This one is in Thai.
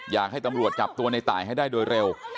อยากให้ตำรวจจับตัวในตายให้ได้โดยเร็ว